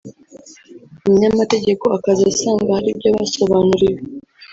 umunyamategeko akaza asanga hari ibyo basobanuriwe